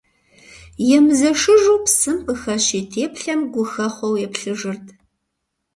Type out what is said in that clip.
Емызэшыжу псым къыхэщ и теплъэм гухэхъуэу еплъыжырт.